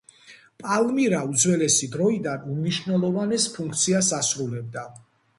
პალმირა უძველესი დროიდანვე უმნიშვნელოვანეს ფუნქციას ასრულებდა.